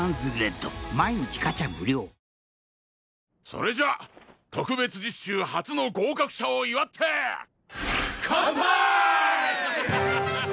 それじゃあ特別実習初の合格者を祝って乾杯！